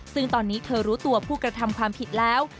ซึ่งตอนนี้เธอรู้ตัวผู้กระทำความผิดแล้ว